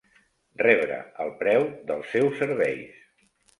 Rebre el preu dels seus serveis.